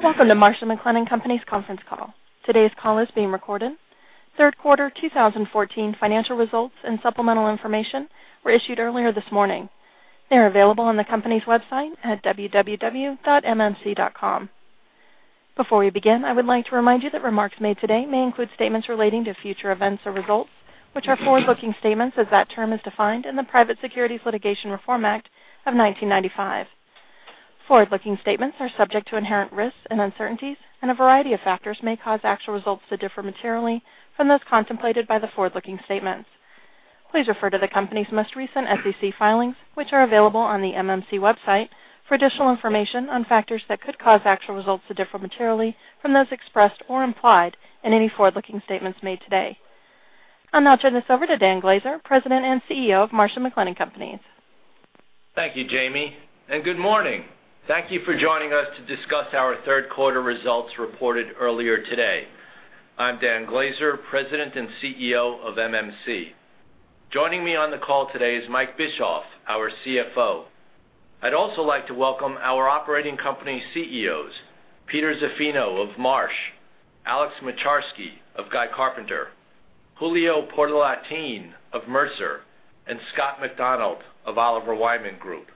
Welcome to Marsh & McLennan Companies conference call. Today's call is being recorded. Third quarter 2014 financial results and supplemental information were issued earlier this morning. They're available on the company's website at www.mmc.com. Before we begin, I would like to remind you that remarks made today may include statements relating to future events or results, which are forward-looking statements as that term is defined in the Private Securities Litigation Reform Act of 1995. Forward-looking statements are subject to inherent risks and uncertainties, and a variety of factors may cause actual results to differ materially from those contemplated by the forward-looking statements. Please refer to the company's most recent SEC filings, which are available on the MMC website, for additional information on factors that could cause actual results to differ materially from those expressed or implied in any forward-looking statements made today. I'll now turn this over to Dan Glaser, President and CEO of Marsh & McLennan Companies. Thank you, Jamie, and good morning. Thank you for joining us to discuss our third quarter results reported earlier today. I'm Dan Glaser, President and CEO of MMC. Joining me on the call today is Mike Bischoff, our CFO. I'd also like to welcome our operating company CEOs, Peter Zaffino of Marsh, Alex Moczarski of Guy Carpenter, Julio Portalatin of Mercer, and Scott McDonald of Oliver Wyman Group.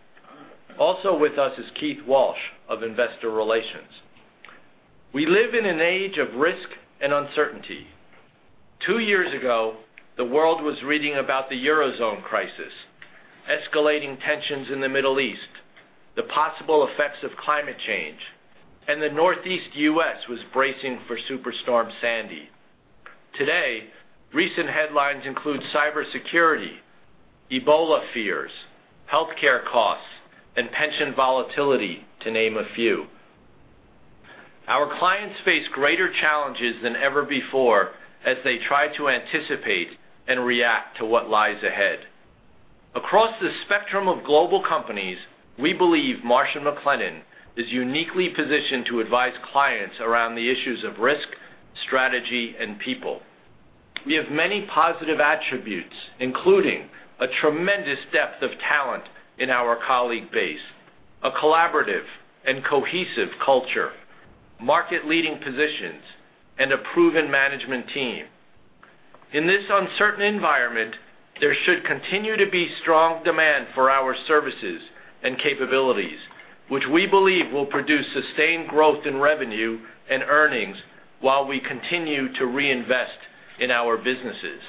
Also with us is Keith Walsh of Investor Relations. We live in an age of risk and uncertainty. Two years ago, the world was reading about the Eurozone crisis, escalating tensions in the Middle East, the possible effects of climate change, and the Northeast U.S. was bracing for Superstorm Sandy. Today, recent headlines include cybersecurity, Ebola fears, healthcare costs, and pension volatility, to name a few. Our clients face greater challenges than ever before as they try to anticipate and react to what lies ahead. Across the spectrum of global companies, we believe Marsh & McLennan is uniquely positioned to advise clients around the issues of risk, strategy, and people. We have many positive attributes, including a tremendous depth of talent in our colleague base, a collaborative and cohesive culture, market-leading positions, and a proven management team. In this uncertain environment, there should continue to be strong demand for our services and capabilities, which we believe will produce sustained growth in revenue and earnings while we continue to reinvest in our businesses.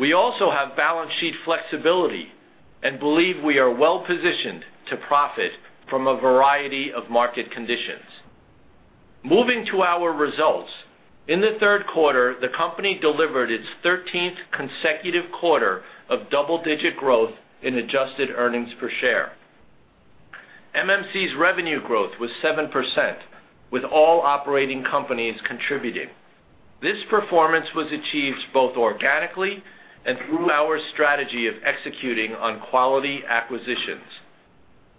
We also have balance sheet flexibility and believe we are well-positioned to profit from a variety of market conditions. Moving to our results, in the third quarter, the company delivered its 13th consecutive quarter of double-digit growth in adjusted earnings per share. MMC's revenue growth was 7%, with all operating companies contributing. This performance was achieved both organically and through our strategy of executing on quality acquisitions.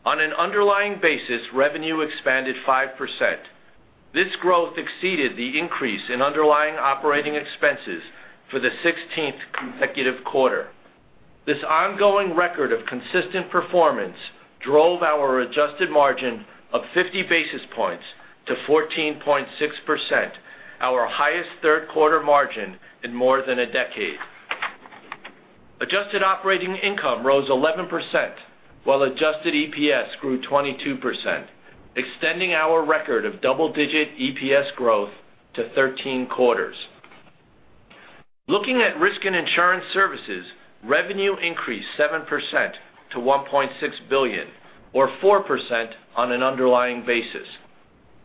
On an underlying basis, revenue expanded 5%. This growth exceeded the increase in underlying operating expenses for the 16th consecutive quarter. This ongoing record of consistent performance drove our adjusted margin of 50 basis points to 14.6%, our highest third-quarter margin in more than a decade. Adjusted operating income rose 11%, while adjusted EPS grew 22%, extending our record of double-digit EPS growth to 13 quarters. Looking at risk and insurance services, revenue increased 7% to $1.6 billion, or 4% on an underlying basis.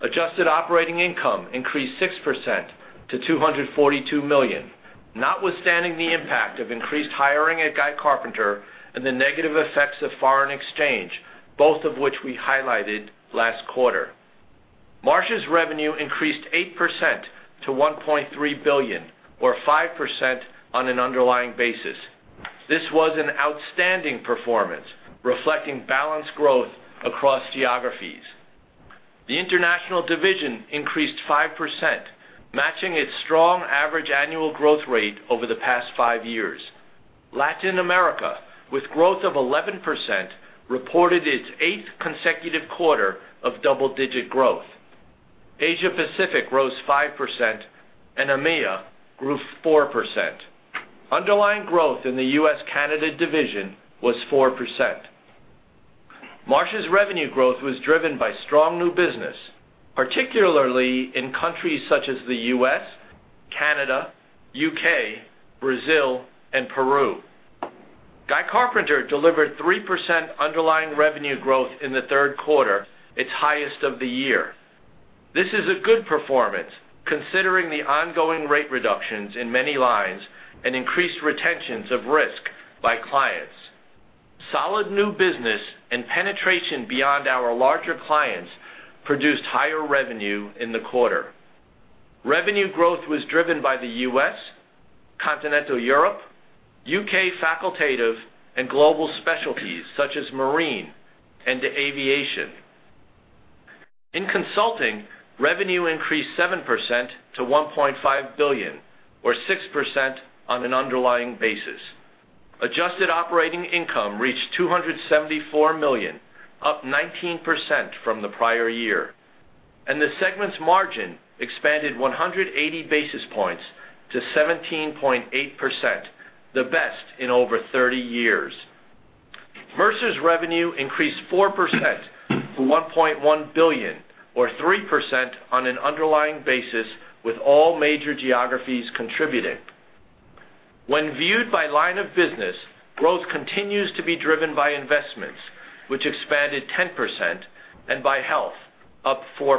Adjusted operating income increased 6% to $242 million, notwithstanding the impact of increased hiring at Guy Carpenter and the negative effects of foreign exchange, both of which we highlighted last quarter. Marsh's revenue increased 8% to $1.3 billion, or 5% on an underlying basis. This was an outstanding performance, reflecting balanced growth across geographies. The international division increased 5%, matching its strong average annual growth rate over the past five years. Latin America, with growth of 11%, reported its eighth consecutive quarter of double-digit growth. Asia Pacific rose 5%, and EMEA grew 4%. Underlying growth in the U.S.-Canada Division was 4%. Marsh's revenue growth was driven by strong new business, particularly in countries such as the U.S., Canada, U.K., Brazil, and Peru. Guy Carpenter delivered 3% underlying revenue growth in the third quarter, its highest of the year. This is a good performance considering the ongoing rate reductions in many lines and increased retentions of risk by clients. Solid new business and penetration beyond our larger clients produced higher revenue in the quarter. Revenue growth was driven by the U.S., continental Europe, U.K. Facultative, and global specialties such as marine and aviation. In consulting, revenue increased 7% to $1.5 billion, or 6% on an underlying basis. Adjusted operating income reached $274 million, up 19% from the prior year, and the segment's margin expanded 180 basis points to 17.8%, the best in over 30 years. Mercer's revenue increased 4% to $1.1 billion, or 3% on an underlying basis, with all major geographies contributing. When viewed by line of business, growth continues to be driven by investments, which expanded 10%, and by health, up 4%.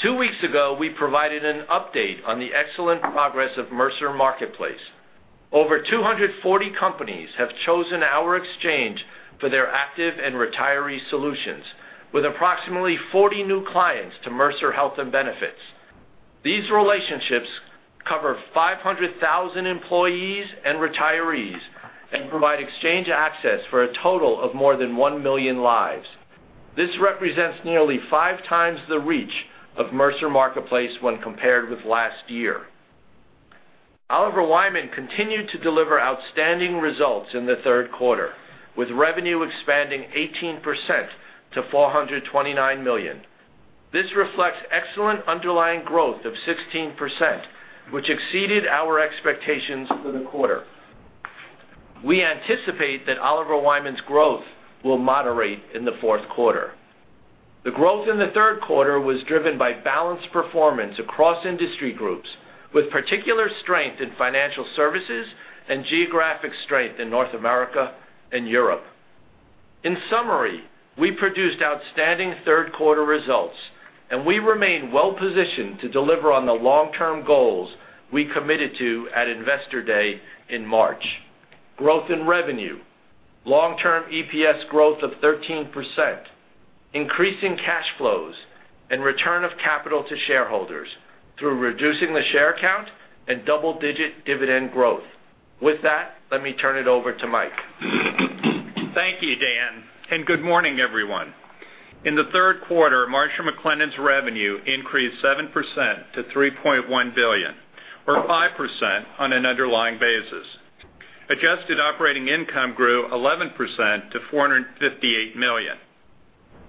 Two weeks ago, we provided an update on the excellent progress of Mercer Marketplace. Over 240 companies have chosen our exchange for their active and retiree solutions, with approximately 40 new clients to Mercer Health and Benefits. These relationships cover 500,000 employees and retirees and provide exchange access for a total of more than one million lives. This represents nearly five times the reach of Mercer Marketplace when compared with last year. Oliver Wyman continued to deliver outstanding results in the third quarter, with revenue expanding 18% to $429 million. This reflects excellent underlying growth of 16%, which exceeded our expectations for the quarter. We anticipate that Oliver Wyman's growth will moderate in the fourth quarter. The growth in the third quarter was driven by balanced performance across industry groups, with particular strength in financial services and geographic strength in North America and Europe. In summary, we produced outstanding third-quarter results, and we remain well positioned to deliver on the long-term goals we committed to at Investor Day in March. Growth in revenue, long-term EPS growth of 13%, increasing cash flows, and return of capital to shareholders through reducing the share count and double-digit dividend growth. With that, let me turn it over to Mike. Thank you, Dan, and good morning, everyone. In the third quarter, Marsh & McLennan's revenue increased 7% to $3.1 billion, or 5% on an underlying basis. Adjusted operating income grew 11% to $458 million,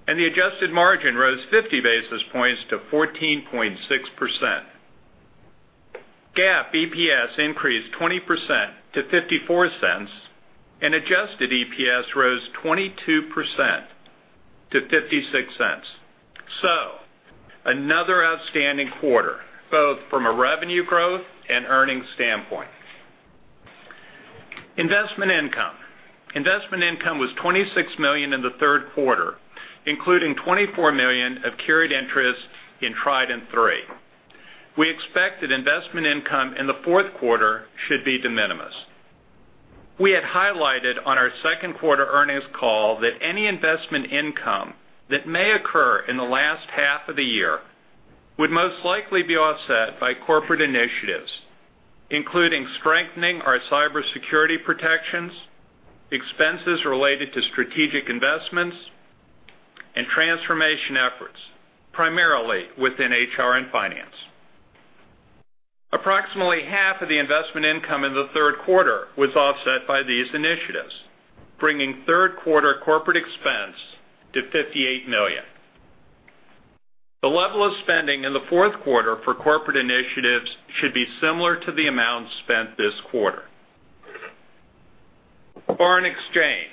and the adjusted margin rose 50 basis points to 14.6%. GAAP EPS increased 20% to $0.54, and adjusted EPS rose 22% to $0.56. Another outstanding quarter, both from a revenue growth and earnings standpoint. Investment income. Investment income was $26 million in the third quarter, including $24 million of carried interest in Trident III. We expect that investment income in the fourth quarter should be de minimis. We had highlighted on our second quarter earnings call that any investment income that may occur in the last half of the year would most likely be offset by corporate initiatives, including strengthening our cybersecurity protections, expenses related to strategic investments, and transformation efforts, primarily within HR and finance. Approximately half of the investment income in the third quarter was offset by these initiatives, bringing third-quarter corporate expense to $58 million. The level of spending in the fourth quarter for corporate initiatives should be similar to the amount spent this quarter. Foreign exchange.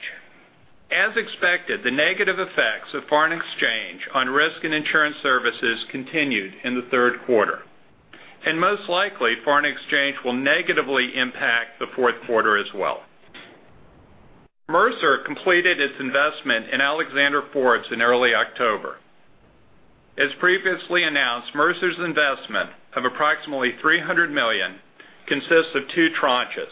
As expected, the negative effects of foreign exchange on risk and insurance services continued in the third quarter, and most likely, foreign exchange will negatively impact the fourth quarter as well. Mercer completed its investment in Alexander Forbes in early October. As previously announced, Mercer's investment of approximately $300 million consists of two tranches: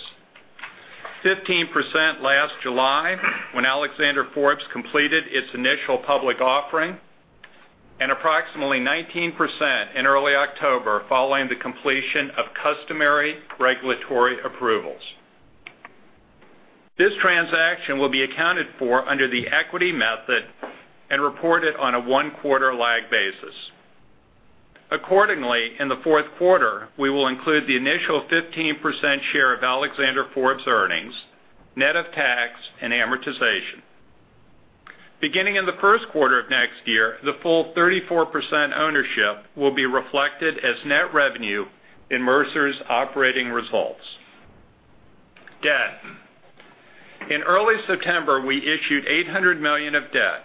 15% last July when Alexander Forbes completed its initial public offering and approximately 19% in early October following the completion of customary regulatory approvals. This transaction will be accounted for under the equity method and reported on a one-quarter lag basis. Accordingly, in the fourth quarter, we will include the initial 15% share of Alexander Forbes earnings, net of tax and amortization. Beginning in the first quarter of next year, the full 34% ownership will be reflected as net revenue in Mercer's operating results. Debt. In early September, we issued $800 million of debt,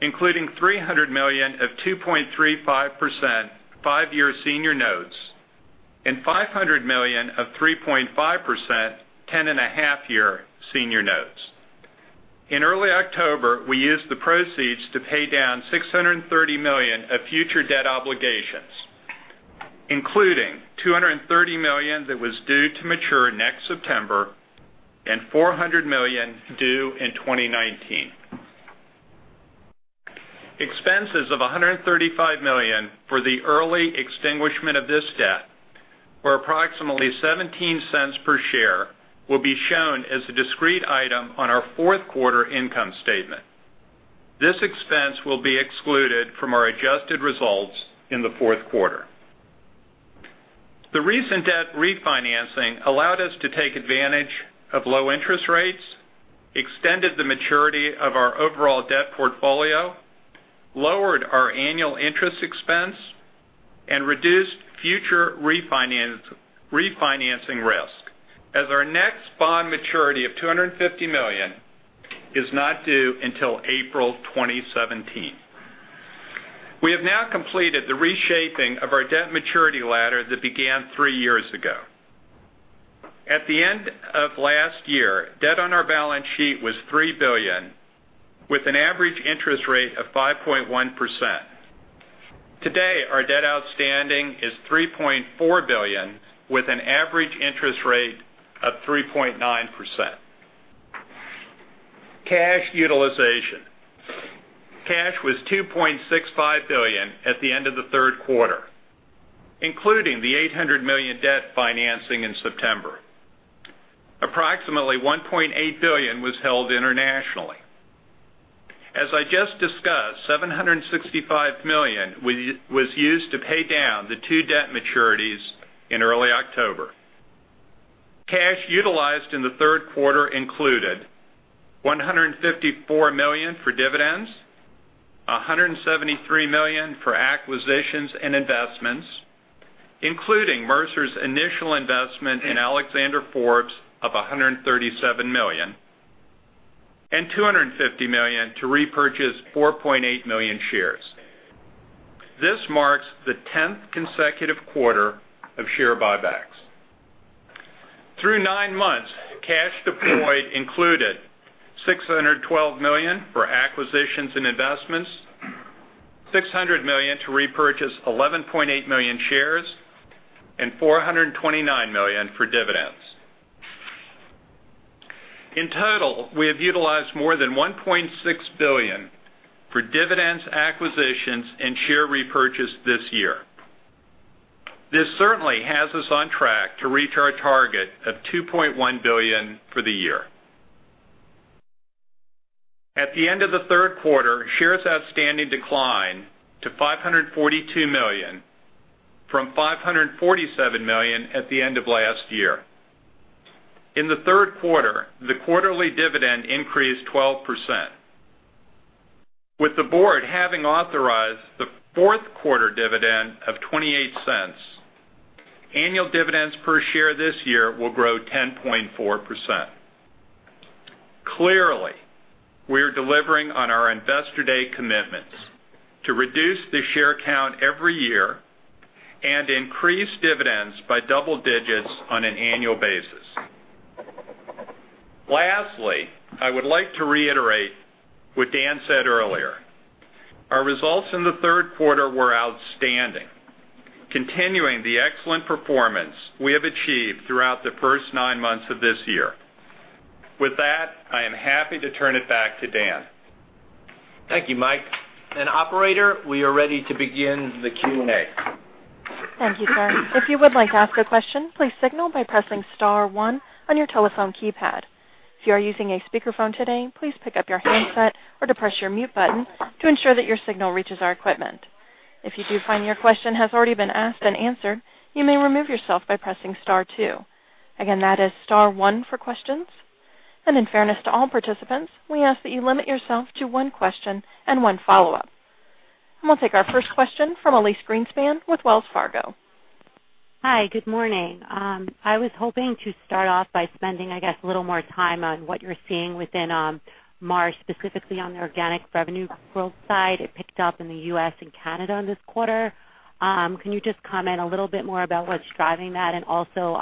including $300 million of 2.35% five-year senior notes and $500 million of 3.5% ten and a half year senior notes. In early October, we used the proceeds to pay down $630 million of future debt obligations, including $230 million that was due to mature next September and $400 million due in 2019. Expenses of $135 million for the early extinguishment of this debt, or approximately $0.17 per share, will be shown as a discrete item on our fourth quarter income statement. This expense will be excluded from our adjusted results in the fourth quarter. The recent debt refinancing allowed us to take advantage of low interest rates, extended the maturity of our overall debt portfolio, lowered our annual interest expense, and reduced future refinancing risk, as our next bond maturity of $250 million is not due until April 2017. We have now completed the reshaping of our debt maturity ladder that began three years ago. At the end of last year, debt on our balance sheet was $3 billion with an average interest rate of 5.1%. Today, our debt outstanding is $3.4 billion with an average interest rate of 3.9%. Cash utilization. Cash was $2.65 billion at the end of the third quarter, including the $800 million debt financing in September. Approximately $1.8 billion was held internationally. As I just discussed, $765 million was used to pay down the two debt maturities in early October. Cash utilized in the third quarter included $154 million for dividends, $173 million for acquisitions and investments, including Mercer's initial investment in Alexander Forbes of $137 million, and $250 million to repurchase 4.8 million shares. This marks the 10th consecutive quarter of share buybacks. Through nine months, cash deployed included $612 million for acquisitions and investments, $600 million to repurchase 11.8 million shares, and $429 million for dividends. In total, we have utilized more than $1.6 billion for dividends, acquisitions, and share repurchase this year. This certainly has us on track to reach our target of $2.1 billion for the year. At the end of the third quarter, shares outstanding declined to 542 million from 547 million at the end of last year. In the third quarter, the quarterly dividend increased 12%. With the board having authorized the fourth quarter dividend of $0.28, annual dividends per share this year will grow 10.4%. Clearly, we are delivering on our Investor Day commitments to reduce the share count every year and increase dividends by double digits on an annual basis. Lastly, I would like to reiterate what Dan said earlier. Our results in the third quarter were outstanding, continuing the excellent performance we have achieved throughout the first nine months of this year. With that, I am happy to turn it back to Dan. Thank you, Mike. Operator, we are ready to begin the Q&A. Thank you, sir. If you would like to ask a question, please signal by pressing *1 on your telephone keypad. If you are using a speakerphone today, please pick up your handset or depress your mute button to ensure that your signal reaches our equipment. If you do find your question has already been asked and answered, you may remove yourself by pressing *2. Again, that is *1 for questions. In fairness to all participants, we ask that you limit yourself to one question and one follow-up. We'll take our first question from Elyse Greenspan with Wells Fargo. Hi, good morning. I was hoping to start off by spending, I guess, a little more time on what you're seeing within Marsh, specifically on the organic revenue growth side. It picked up in the U.S. and Canada this quarter. Can you just comment a little bit more about what's driving that? Also,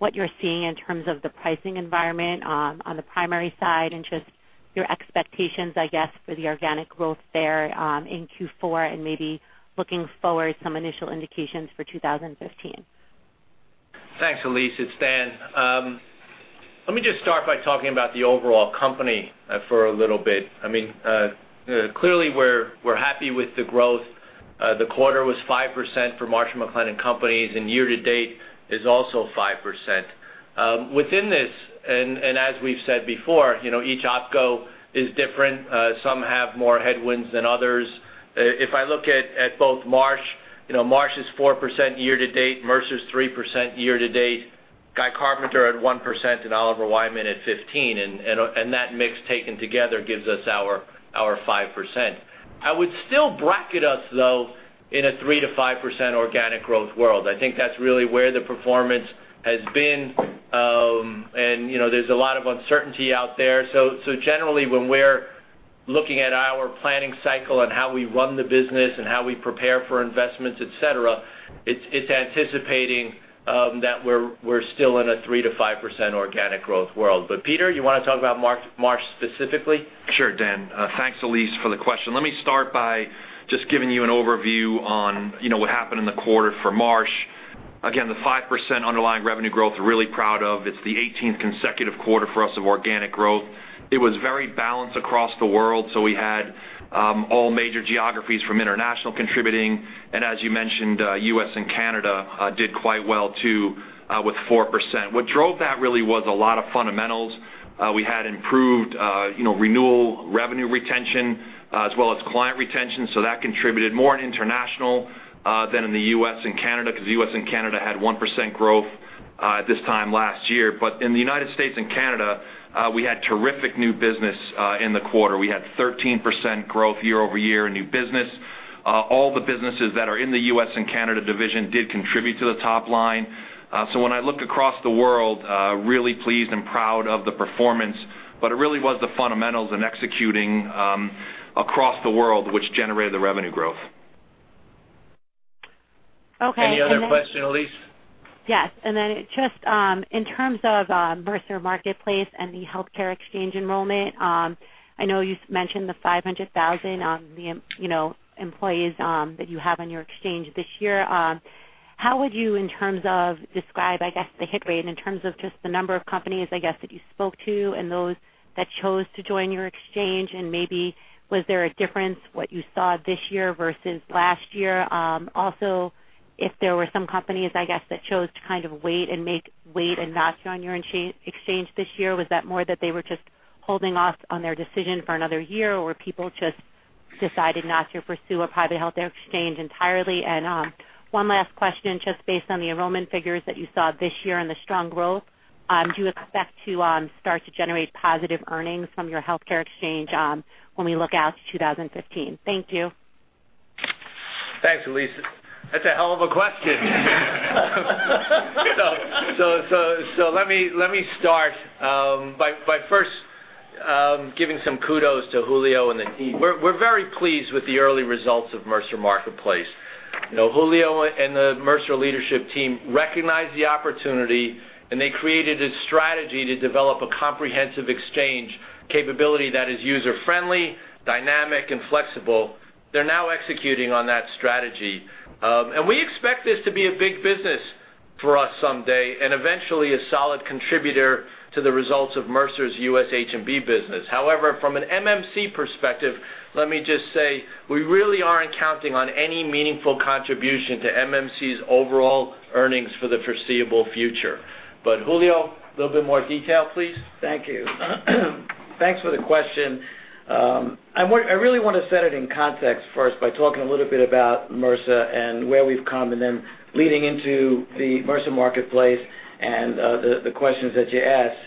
what you're seeing in terms of the pricing environment on the primary side and just your expectations, I guess, for the organic growth there in Q4 and maybe looking forward some initial indications for 2015. Thanks, Elyse. It's Dan. Let me just start by talking about the overall company for a little bit. Clearly, we're happy with the growth. The quarter was 5% for Marsh & McLennan Companies, year to date is also 5%. Within this, as we've said before, each opco is different. Some have more headwinds than others. If I look at both Marsh is 4% year to date. Mercer's 3% year to date. Guy Carpenter at 1%, Oliver Wyman at 15%, and that mix taken together gives us our 5%. I would still bracket us, though, in a 3%-5% organic growth world. I think that's really where the performance has been. There's a lot of uncertainty out there. Generally, when we're looking at our planning cycle and how we run the business and how we prepare for investments, et cetera, it's anticipating that we're still in a 3%-5% organic growth world. Peter, you want to talk about Marsh specifically? Sure, Dan. Thanks, Elyse, for the question. Let me start by just giving you an overview on what happened in the quarter for Marsh. Again, the 5% underlying revenue growth, we're really proud of. It's the 18th consecutive quarter for us of organic growth. It was very balanced across the world, so we had All major geographies from international contributing. As you mentioned, U.S. and Canada did quite well too, with 4%. What drove that really was a lot of fundamentals. We had improved renewal revenue retention as well as client retention. That contributed more in international than in the U.S. and Canada, because the U.S. and Canada had 1% growth this time last year. In the U.S. and Canada, we had terrific new business in the quarter. We had 13% growth year-over-year in new business. All the businesses that are in the U.S. and Canada Division did contribute to the top line. When I look across the world, really pleased and proud of the performance, but it really was the fundamentals and executing across the world which generated the revenue growth. Okay. Any other question, Elyse? Yes. Just in terms of Mercer Marketplace and the healthcare exchange enrollment, I know you mentioned the 500,000 on the employees that you have on your exchange this year. How would you, in terms of describe, I guess, the hit rate and in terms of just the number of companies, I guess, that you spoke to and those that chose to join your exchange, and maybe was there a difference what you saw this year versus last year? Also, if there were some companies, I guess, that chose to wait and not join your exchange this year, was that more that they were just holding off on their decision for another year, or people just decided not to pursue a private health exchange entirely? One last question, just based on the enrollment figures that you saw this year and the strong growth, do you expect to start to generate positive earnings from your healthcare exchange when we look out to 2015? Thank you. Thanks, Elyse. That's a hell of a question. Let me start by first giving some kudos to Julio and the team. We're very pleased with the early results of Mercer Marketplace. Julio and the Mercer leadership team recognized the opportunity, and they created a strategy to develop a comprehensive exchange capability that is user-friendly, dynamic, and flexible. They're now executing on that strategy. We expect this to be a big business for us someday, and eventually a solid contributor to the results of Mercer's U.S. H&B business. However, from an MMC perspective, let me just say, we really aren't counting on any meaningful contribution to MMC's overall earnings for the foreseeable future. Julio, a little bit more detail, please. Thank you. Thanks for the question. I really want to set it in context first by talking a little bit about Mercer and where we've come, then leading into the Mercer Marketplace and the questions that you asked.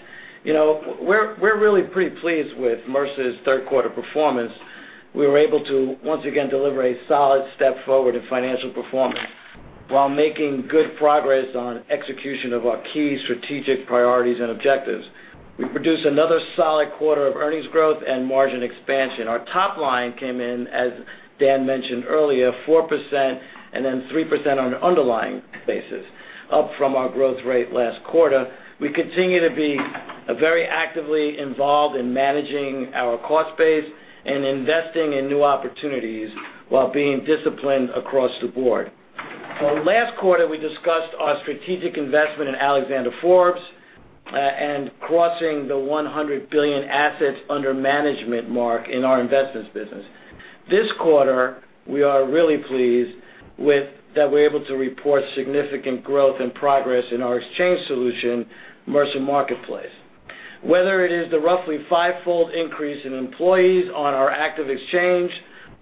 We're really pretty pleased with Mercer's third quarter performance. We were able to, once again, deliver a solid step forward in financial performance while making good progress on execution of our key strategic priorities and objectives. We produced another solid quarter of earnings growth and margin expansion. Our top line came in, as Dan mentioned earlier, 4% then 3% on an underlying basis, up from our growth rate last quarter. We continue to be very actively involved in managing our cost base and investing in new opportunities while being disciplined across the board. Last quarter, we discussed our strategic investment in Alexander Forbes and crossing the $100 billion assets under management mark in our investments business. This quarter, we are really pleased that we're able to report significant growth and progress in our exchange solution, Mercer Marketplace. Whether it is the roughly fivefold increase in employees on our active exchange,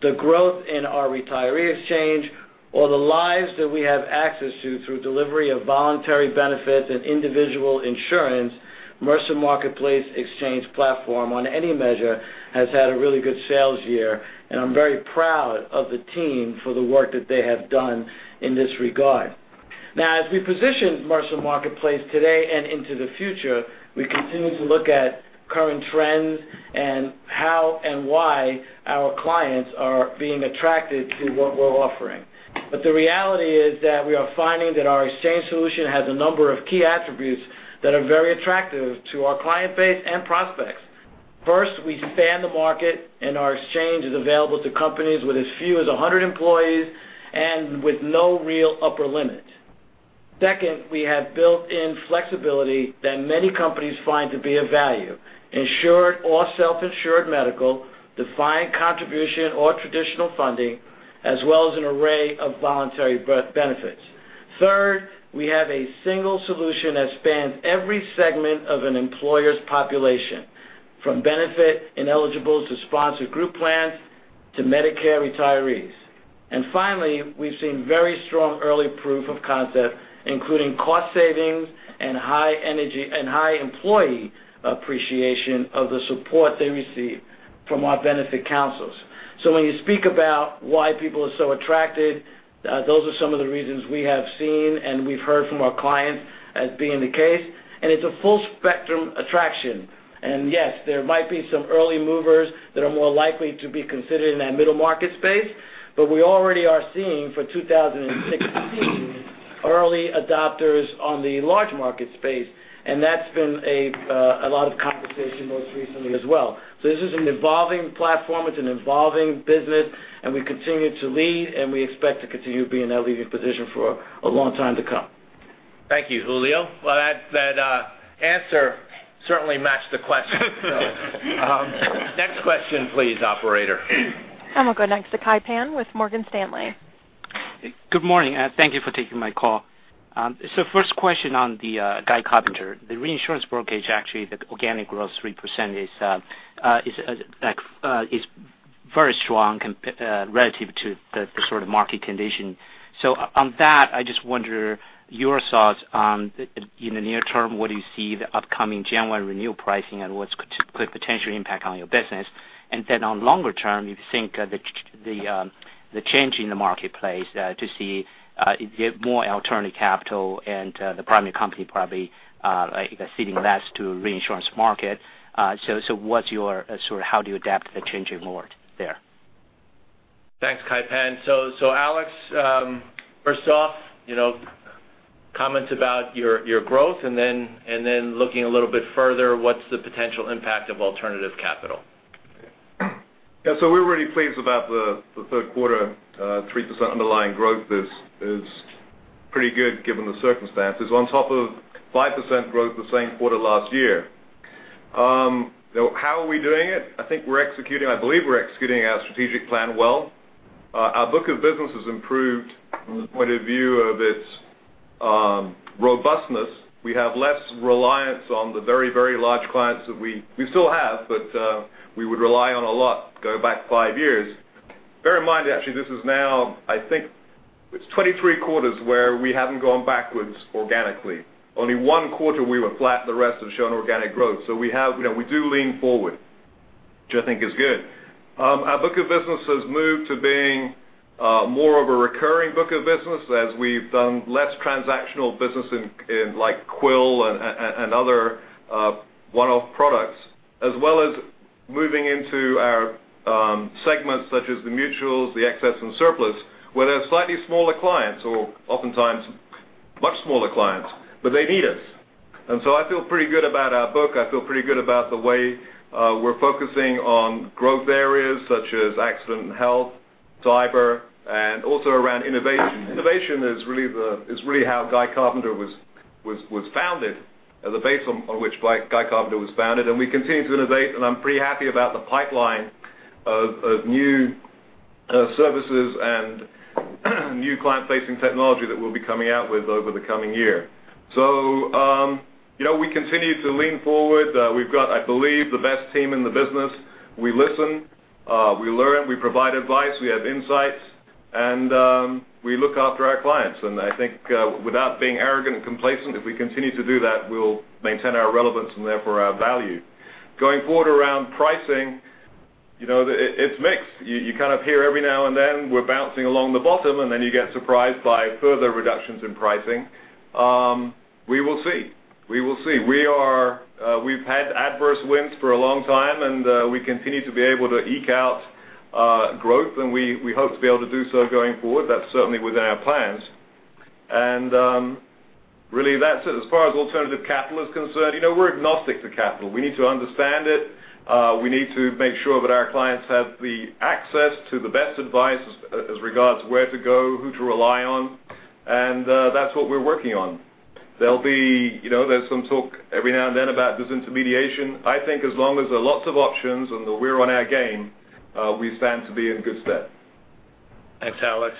the growth in our retiree exchange, or the lives that we have access to through delivery of voluntary benefits and individual insurance, Mercer Marketplace Exchange platform on any measure, has had a really good sales year, and I'm very proud of the team for the work that they have done in this regard. As we position Mercer Marketplace today and into the future, we continue to look at current trends and how and why our clients are being attracted to what we're offering. The reality is that we are finding that our exchange solution has a number of key attributes that are very attractive to our client base and prospects. First, we span the market, and our exchange is available to companies with as few as 100 employees and with no real upper limit. Second, we have built in flexibility that many companies find to be of value. Insured or self-insured medical, defined contribution or traditional funding, as well as an array of voluntary benefits. Third, we have a single solution that spans every segment of an employer's population, from benefit ineligible to sponsored group plans to Medicare retirees. Finally, we've seen very strong early proof of concept, including cost savings and high employee appreciation of the support they receive from our benefit councils. When you speak about why people are so attracted, those are some of the reasons we have seen and we've heard from our clients as being the case. It's a full spectrum attraction. Yes, there might be some early movers that are more likely to be considered in that middle market space, but we already are seeing for 2016, early adopters on the large market space, and that's been a lot of conversation most recently as well. This is an evolving platform, it's an evolving business, and we continue to lead, and we expect to continue being in that leading position for a long time to come. Thank you, Julio. Well, that answer certainly matched the question. Next question please, operator. We'll go next to Kai Pan with Morgan Stanley. Good morning, thank you for taking my call. First question on the Guy Carpenter. The reinsurance brokerage actually, the organic growth 3% is very strong relative to the sort of market condition. On that, I just wonder your thoughts on, in the near term, what could potentially impact on your business? On longer term, you think the change in the marketplace, to see, more alternative capital and the primary company probably, like feeding less to reinsurance market. How do you adapt to the changing world there? Thanks, Kai Pan. Alex, first off, comments about your growth and then looking a little bit further, what's the potential impact of alternative capital? Yeah. We're really pleased about the third quarter, 3% underlying growth is pretty good given the circumstances. On top of 5% growth the same quarter last year. How are we doing it? I believe we're executing our strategic plan well. Our book of business has improved from the point of view of its robustness. We have less reliance on the very, very large clients that we still have, but, we would rely on a lot go back five years. Bear in mind, actually, this is now, I think, it's 23 quarters where we haven't gone backwards organically. Only one quarter we were flat, the rest have shown organic growth. We do lean forward, which I think is good. Our book of business has moved to being more of a recurring book of business as we've done less transactional business in, like, Quill and other one-off products, as well as moving into our segments such as the mutuals, the excess and surplus, where they're slightly smaller clients or oftentimes much smaller clients, but they need us. I feel pretty good about our book. I feel pretty good about the way we're focusing on growth areas such as accident and health, cyber, and also around innovation. Innovation is really how Guy Carpenter was founded, the base on which Guy Carpenter was founded, and we continue to innovate, and I'm pretty happy about the pipeline of new services and new client-facing technology that we'll be coming out with over the coming year. We continue to lean forward. We've got, I believe, the best team in the business. We listen, we learn, we provide advice, we have insights, and we look after our clients. I think, without being arrogant and complacent, if we continue to do that, we'll maintain our relevance and therefore our value. Going forward around pricing, it's mixed. You kind of hear every now and then, we're bouncing along the bottom, and then you get surprised by further reductions in pricing. We will see. We've had adverse winds for a long time, and we continue to be able to eke out growth, and we hope to be able to do so going forward. That's certainly within our plans. Really that's it. As far as alternative capital is concerned, we're agnostic to capital. We need to understand it. We need to make sure that our clients have the access to the best advice as regards where to go, who to rely on. That's what we're working on. There's some talk every now and then about disintermediation. I think as long as there are lots of options and that we're on our game, we stand to be in good stead. Thanks, Alex.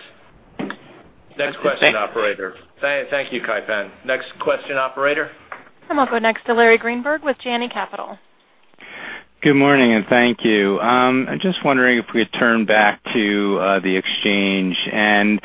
Next question, operator. Thank you, Kai Pan. Next question, operator. We'll go next to Larry Greenberg with Janney Capital. Good morning, and thank you. I'm just wondering if we could turn back to the exchange and,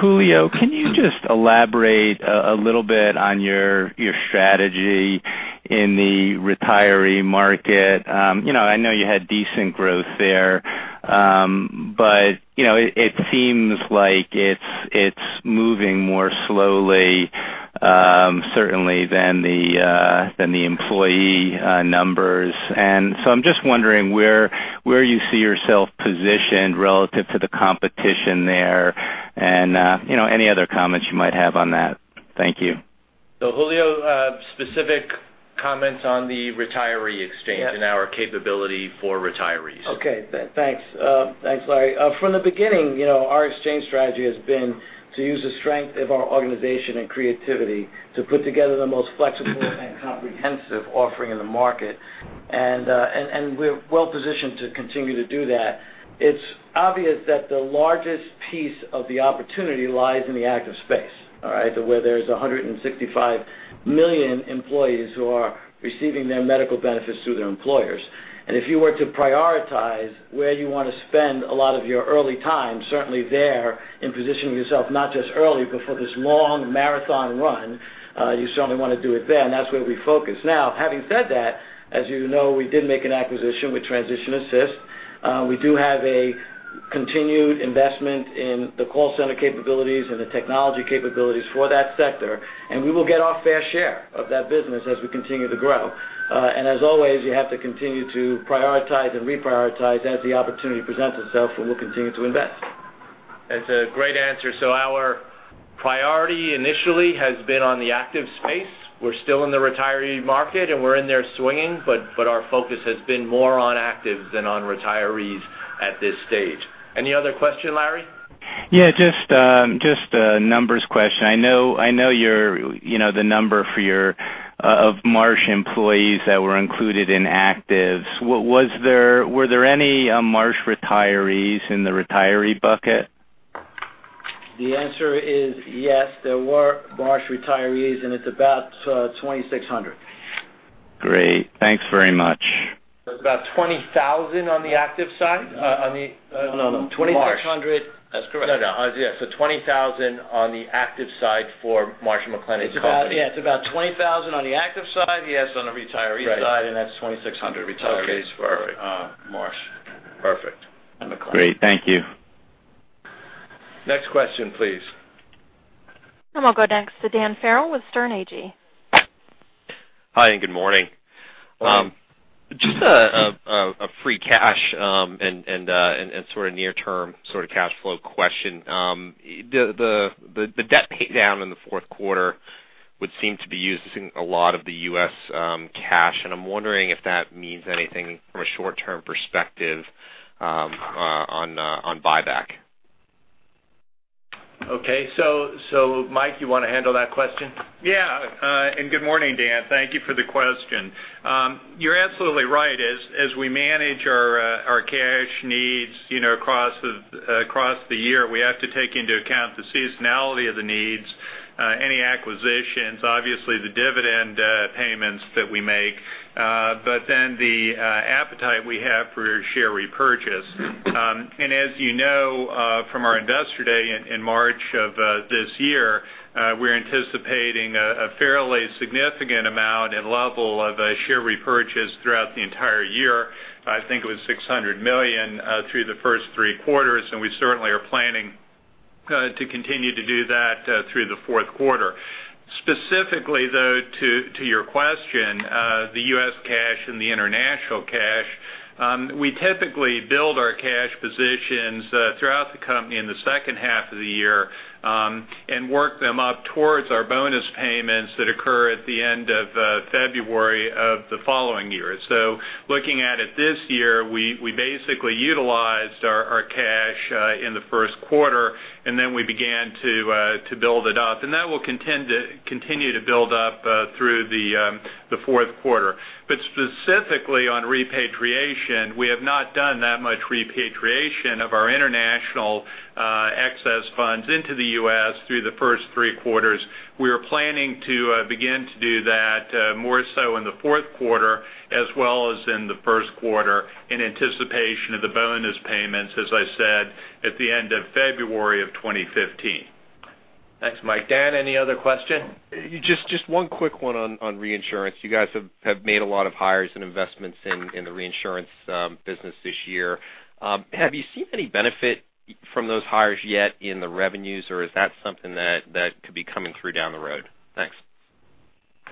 Julio, can you just elaborate a little bit on your strategy in the retiree market? I know you had decent growth there, but it seems like it's moving more slowly, certainly than the employee numbers. So I'm just wondering where you see yourself positioned relative to the competition there and any other comments you might have on that. Thank you. Julio, specific comments on the retiree exchange and our capability for retirees. Okay. Thanks. Thanks, Larry. From the beginning, our exchange strategy has been to use the strength of our organization and creativity to put together the most flexible and comprehensive offering in the market. We're well positioned to continue to do that. It's obvious that the largest piece of the opportunity lies in the active space. All right? Where there's 165 million employees who are receiving their medical benefits through their employers. If you were to prioritize where you want to spend a lot of your early time, certainly there in positioning yourself, not just early, but for this long marathon run, you certainly want to do it then. That's where we focus. Now, having said that, as you know, we did make an acquisition with Transition Assist. We do have a continued investment in the call center capabilities and the technology capabilities for that sector, and we will get our fair share of that business as we continue to grow. As always, you have to continue to prioritize and reprioritize as the opportunity presents itself, and we'll continue to invest. That's a great answer. Our priority initially has been on the active space. We're still in the retiree market, and we're in there swinging, but our focus has been more on actives than on retirees at this stage. Any other question, Larry? Yeah, just a numbers question. I know the number of Marsh employees that were included in actives. Were there any Marsh retirees in the retiree bucket? The answer is yes, there were Marsh retirees, and it's about 2,600. Great. Thanks very much. There's about 20,000 on the active side? No, 2,600. Marsh. That's correct. No. 20,000 on the active side for Marsh & McLennan Companies. It's about 20,000 on the active side. Yes, on the retiree side, that's 2,600 retirees for Marsh. Perfect. McLennan. Great. Thank you. Next question, please. We'll go next to Dan Farrell with Sterne Agee. Hi, good morning. Morning. Just a free cash and sort of near term sort of cash flow question. The debt pay down in the fourth quarter would seem to be using a lot of the U.S. cash, and I'm wondering if that means anything from a short-term perspective on buyback. Okay. Mike, you want to handle that question? Yeah. Good morning, Dan. Thank you for the question. You're absolutely right. As we manage our cash needs across the year, we have to take into account the seasonality of the needs, any acquisitions, obviously the dividend payments that we make, the appetite we have for share repurchase. As you know from our Investor Day in March of this year, we're anticipating a fairly significant amount and level of share repurchase throughout the entire year. I think it was $600 million through the first three quarters, and we certainly are planning to continue to do that through the fourth quarter. Specifically, though, to your question, the U.S. cash and the international cash, we typically build our cash positions throughout the company in the second half of the year and work them up towards our bonus payments that occur at the end of February of the following year. Looking at it this year, we basically utilized our cash in the first quarter, we began to build it up. That will continue to build up through the fourth quarter. Specifically on repatriation, we have not done that much repatriation of our international excess funds into the U.S. through the first three quarters. We are planning to begin to do that more so in the fourth quarter, as well as in the first quarter in anticipation of the bonus payments, as I said, at the end of February of 2015. Thanks, Mike. Dan, any other question? Just one quick one on reinsurance. You guys have made a lot of hires and investments in the reinsurance business this year. Have you seen any benefit from those hires yet in the revenues, or is that something that could be coming through down the road? Thanks.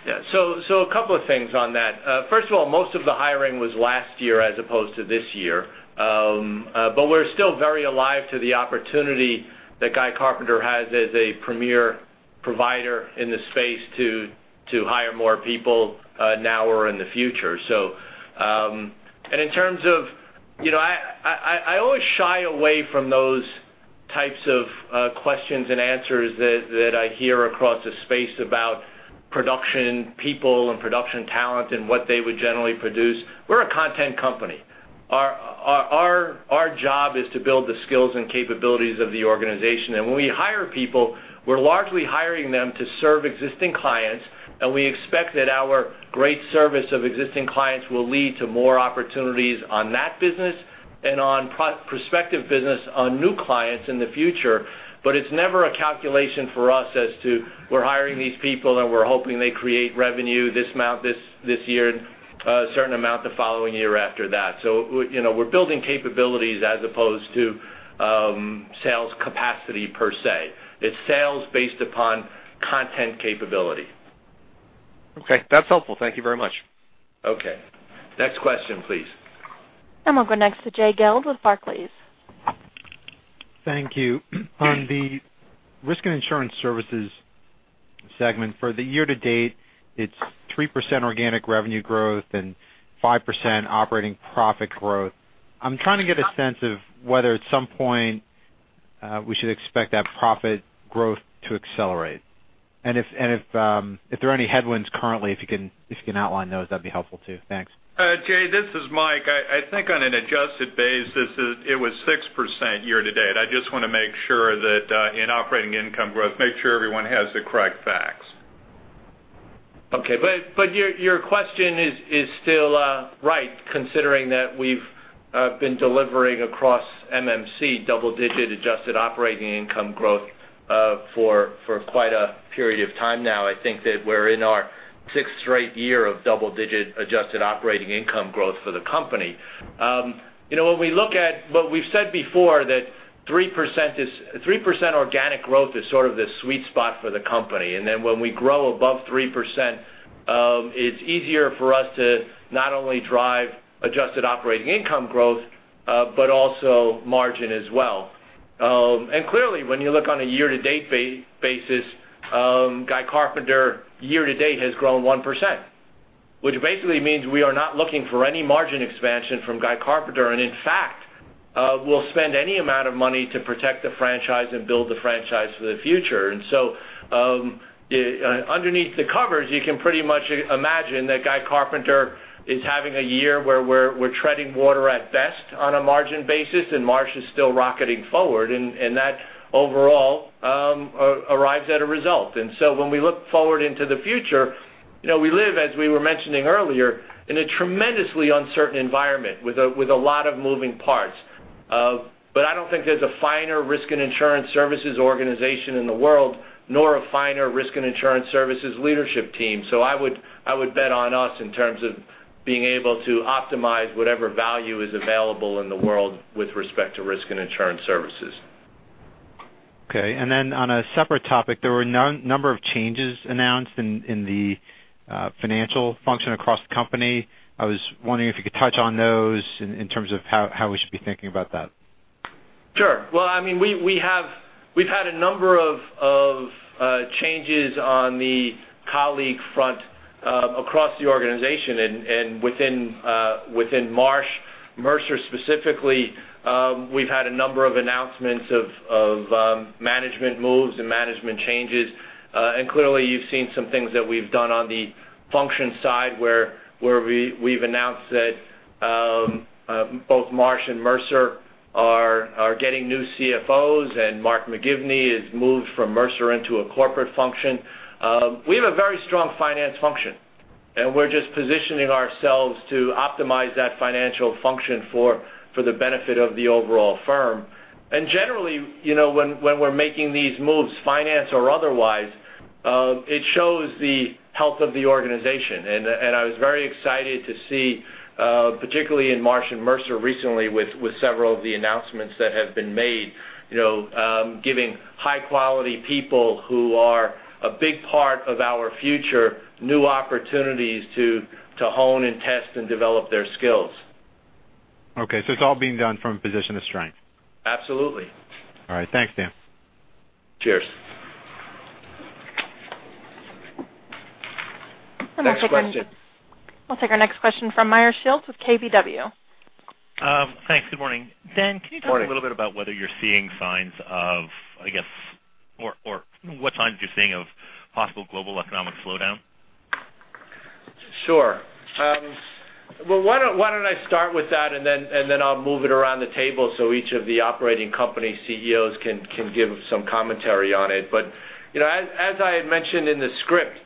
Yeah. A couple of things on that. First of all, most of the hiring was last year as opposed to this year. We're still very alive to the opportunity that Guy Carpenter has as a premier provider in this space to hire more people now or in the future. I always shy away from those types of questions and answers that I hear across the space about production people and production talent and what they would generally produce. We're a content company. Our job is to build the skills and capabilities of the organization. When we hire people, we're largely hiring them to serve existing clients, and we expect that our great service of existing clients will lead to more opportunities on that business and on prospective business on new clients in the future. It's never a calculation for us as to we're hiring these people, and we're hoping they create revenue this amount this year, a certain amount the following year after that. We're building capabilities as opposed to sales capacity per se. It's sales based upon content capability. Okay. That's helpful. Thank you very much. Okay. Next question, please. We'll go next to Jay Gelb with Barclays. Thank you. On the risk and insurance services segment for the year to date, it's 3% organic revenue growth and 5% operating profit growth. I'm trying to get a sense of whether at some point we should expect that profit growth to accelerate. If there are any headwinds currently, if you can outline those, that'd be helpful too. Thanks. Jay, this is Mike. I think on an adjusted basis, it was 6% year to date. I just want to make sure that in operating income growth, make sure everyone has the correct facts. Your question is still right, considering that we've been delivering across MMC double-digit adjusted operating income growth for quite a period of time now. I think that we're in our sixth straight year of double-digit adjusted operating income growth for the company. When we look at what we've said before, that 3% organic growth is sort of the sweet spot for the company, then when we grow above 3%, it's easier for us to not only drive adjusted operating income growth but also margin as well. Clearly, when you look on a year-to-date basis, Guy Carpenter year-to-date has grown 1%. Which basically means we are not looking for any margin expansion from Guy Carpenter, in fact, we'll spend any amount of money to protect the franchise and build the franchise for the future. Underneath the covers, you can pretty much imagine that Guy Carpenter is having a year where we're treading water at best on a margin basis, Marsh is still rocketing forward, that overall arrives at a result. When we look forward into the future, we live, as we were mentioning earlier, in a tremendously uncertain environment with a lot of moving parts. I don't think there's a finer risk and insurance services organization in the world, nor a finer risk and insurance services leadership team. I would bet on us in terms of being able to optimize whatever value is available in the world with respect to risk and insurance services. Okay, on a separate topic, there were a number of changes announced in the financial function across the company. I was wondering if you could touch on those in terms of how we should be thinking about that. Sure. We've had a number of changes on the colleague front across the organization and within Marsh. Mercer specifically, we've had a number of announcements of management moves and management changes. Clearly you've seen some things that we've done on the function side where we've announced that both Marsh and Mercer are getting new CFOs, Mark McGivney has moved from Mercer into a corporate function. We have a very strong finance function, we're just positioning ourselves to optimize that financial function for the benefit of the overall firm. Generally, when we're making these moves, finance or otherwise, it shows the health of the organization. I was very excited to see, particularly in Marsh & Mercer recently with several of the announcements that have been made, giving high-quality people who are a big part of our future, new opportunities to hone and test and develop their skills. Okay, it's all being done from a position of strength? Absolutely. All right. Thanks, Dan. Cheers. Next question. I'll take our next question from Meyer Shields with KBW. Thanks. Good morning. Morning. Dan, can you talk a little bit about whether you're seeing signs of or what signs you're seeing of possible global economic slowdown? Sure. Why don't I start with that I'll move it around the table so each of the operating company CEOs can give some commentary on it. As I had mentioned in the script,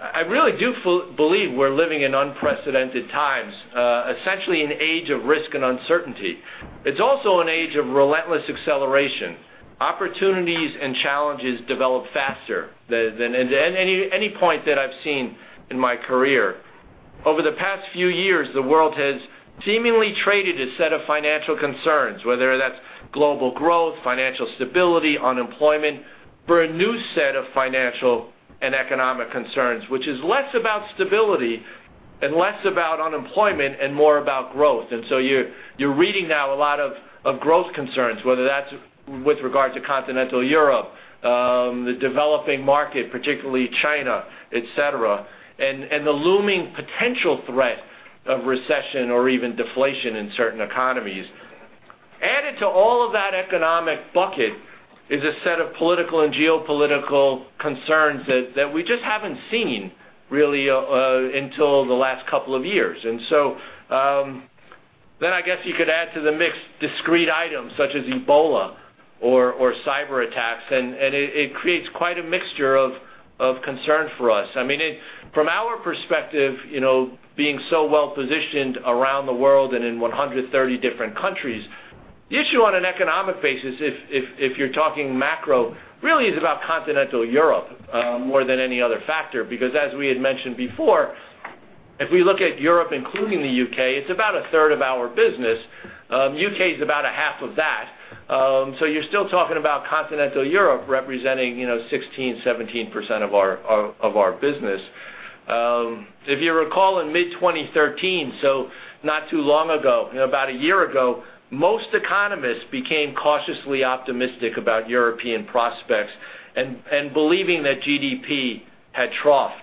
I really do believe we're living in unprecedented times, essentially an age of risk and uncertainty. It's also an age of relentless acceleration. Opportunities and challenges develop faster than any point that I've seen in my career. Over the past few years, the world has seemingly traded a set of financial concerns, whether that's global growth, financial stability, unemployment, for a new set of financial and economic concerns, which is less about stability and less about unemployment and more about growth. You're reading now a lot of growth concerns, whether that's with regard to continental Europe, the developing market, particularly China, et cetera, and the looming potential threat of recession or even deflation in certain economies. Added to all of that economic bucket is a set of political and geopolitical concerns that we just haven't seen really until the last couple of years. Then I guess you could add to the mix discrete items such as Ebola or cyber attacks, and it creates quite a mixture of concern for us. From our perspective, being so well-positioned around the world and in 130 different countries, the issue on an economic basis, if you're talking macro, really is about continental Europe more than any other factor. Because as we had mentioned before, if we look at Europe, including the U.K., it's about a third of our business. U.K. is about a half of that. You're still talking about continental Europe representing 16%-17% of our business. If you recall, in mid-2013, so not too long ago, about a year ago, most economists became cautiously optimistic about European prospects and believing that GDP had troughed.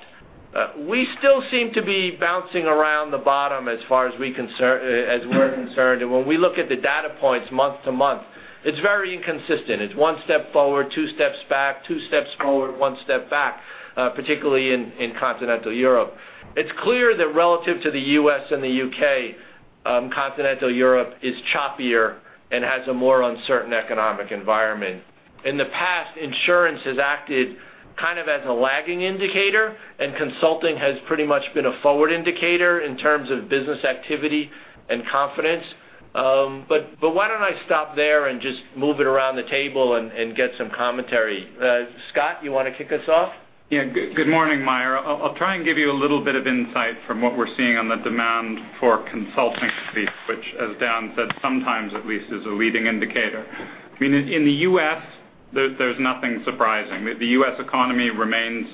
We still seem to be bouncing around the bottom as far as we're concerned. When we look at the data points month to month, it's very inconsistent. It's one step forward, two steps back, two steps forward, one step back, particularly in continental Europe. It's clear that relative to the U.S. and the U.K., continental Europe is choppier and has a more uncertain economic environment. In the past, insurance has acted as a lagging indicator, and consulting has pretty much been a forward indicator in terms of business activity and confidence. Why don't I stop there and just move it around the table and get some commentary? Scott, you want to kick us off? Good morning, Meyer. I'll try and give you a little bit of insight from what we're seeing on the demand for consulting fees, which as Dan said, sometimes at least is a leading indicator. In the U.S., there's nothing surprising. The U.S. economy remains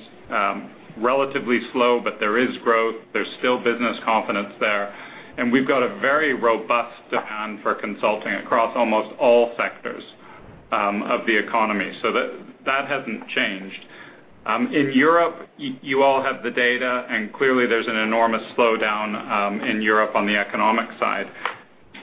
relatively slow, but there is growth. There's still business confidence there. We've got a very robust demand for consulting across almost all sectors of the economy. That hasn't changed. In Europe, you all have the data, and clearly there's an enormous slowdown in Europe on the economic side.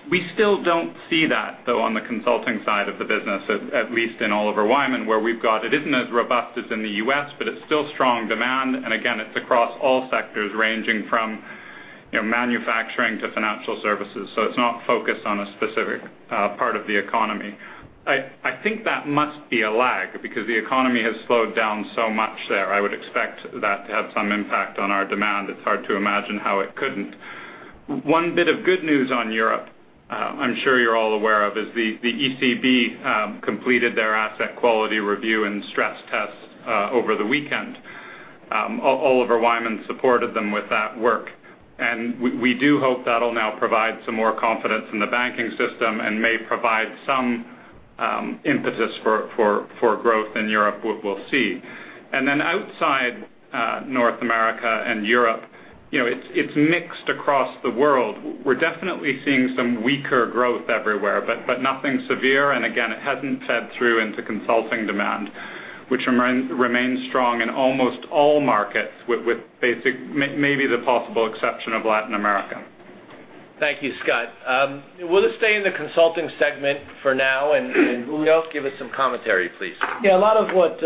We still don't see that, though, on the consulting side of the business, at least in Oliver Wyman, where we've got it isn't as robust as in the U.S., but it's still strong demand. Again, it's across all sectors, ranging from manufacturing to financial services. It's not focused on a specific part of the economy. I think that must be a lag because the economy has slowed down so much there. I would expect that to have some impact on our demand. It's hard to imagine how it couldn't. One bit of good news on Europe, I'm sure you're all aware of, is the ECB completed their asset quality review and stress tests over the weekend. Oliver Wyman supported them with that work. We do hope that'll now provide some more confidence in the banking system and may provide some emphasis for growth in Europe. We'll see. Outside North America and Europe, it's mixed across the world. We're definitely seeing some weaker growth everywhere, but nothing severe, again, it hasn't fed through into consulting demand, which remains strong in almost all markets with maybe the possible exception of Latin America. Thank you, Scott. We'll just stay in the consulting segment for now. Julio, give us some commentary, please. A lot of what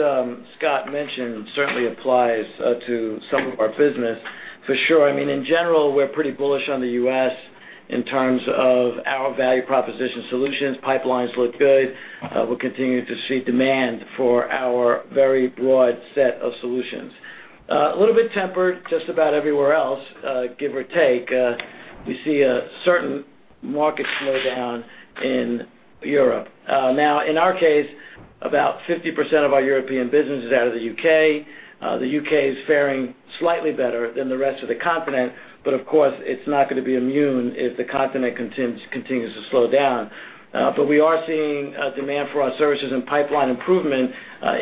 Scott mentioned certainly applies to some of our business for sure. In general, we're pretty bullish on the U.S. in terms of our value proposition solutions. Pipelines look good. We're continuing to see demand for our very broad set of solutions. A little bit tempered just about everywhere else, give or take. We see a certain market slowdown in Europe. In our case, about 50% of our European business is out of the U.K. The U.K. is fairing slightly better than the rest of the continent, of course, it's not going to be immune if the continent continues to slow down. We are seeing a demand for our services and pipeline improvement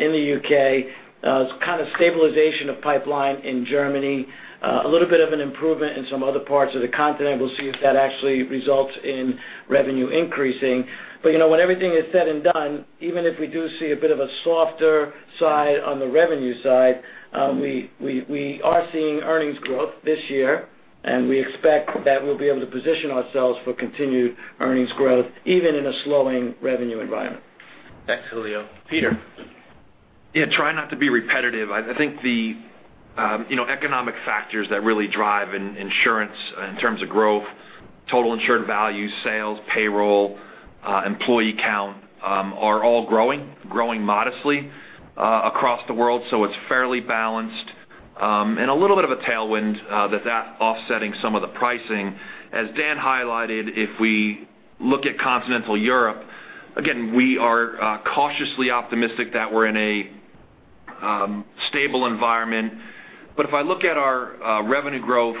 in the U.K., kind of stabilization of pipeline in Germany, a little bit of an improvement in some other parts of the continent. We'll see if that actually results in revenue increasing. When everything is said and done, even if we do see a bit of a softer side on the revenue side, we are seeing earnings growth this year. We expect that we'll be able to position ourselves for continued earnings growth, even in a slowing revenue environment. Thanks, Julio. Peter? Yeah, try not to be repetitive. I think the economic factors that really drive insurance in terms of growth, total insured value, sales, payroll, employee count, are all growing modestly across the world. It's fairly balanced, and a little bit of a tailwind that's offsetting some of the pricing. As Dan highlighted, if we look at continental Europe, again, we are cautiously optimistic that we're in a stable environment. If I look at our revenue growth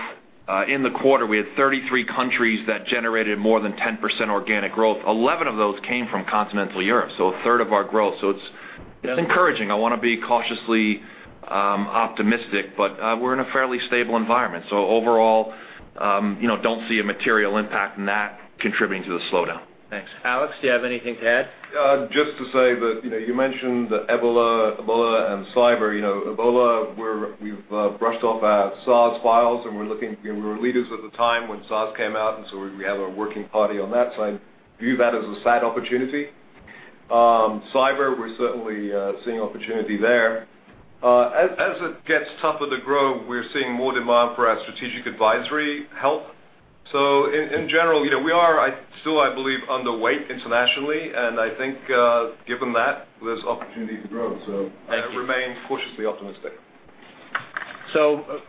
in the quarter, we had 33 countries that generated more than 10% organic growth. 11 of those came from continental Europe, so a third of our growth, so it's encouraging. I want to be cautiously optimistic, but we're in a fairly stable environment. Overall, don't see a material impact in that contributing to the slowdown. Thanks. Alex, do you have anything to add? Just to say that you mentioned the Ebola and cyber. Ebola, we've brushed off our SARS files, we were leaders at the time when SARS came out, we have a working party on that side. View that as a side opportunity. Cyber, we're certainly seeing opportunity there. As it gets tougher to grow, we're seeing more demand for our strategic advisory help. In general, we are, still I believe, underweight internationally, and I think given that, there's opportunity to grow. I remain cautiously optimistic.